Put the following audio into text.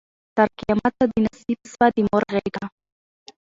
تر قیامته دي نصیب سوه د مور غیږه